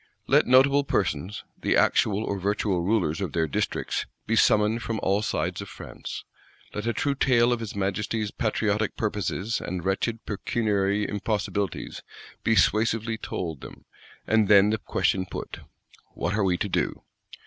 _ Let notable persons, the actual or virtual rulers of their districts, be summoned from all sides of France: let a true tale, of his Majesty's patriotic purposes and wretched pecuniary impossibilities, be suasively told them; and then the question put: What are we to do?